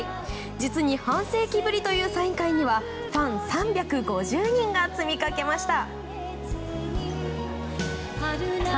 実に半世紀ぶりというサイン会にはファン３５０人が詰めかけました。